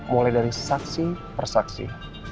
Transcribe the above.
mulai dari saksi persaksi